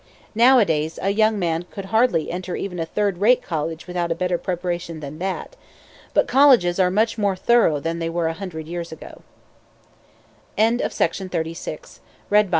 Nowadays, a young man could hardly enter even a third rate college without a better preparation than that. But colleges are much more thorough than they were a hundred years ago. VII. AT DARTMOUTH COLLEGE.